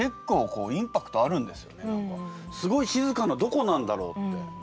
すごい静かな「どこなんだろう？」って。